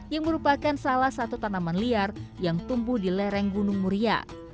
yang merupakan salah satu tanaman liar yang tumbuh di lereng gunung muria